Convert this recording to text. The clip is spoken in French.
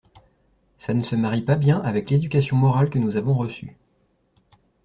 Ça ne se marie pas bien avec l’éducation morale que nous avons reçue.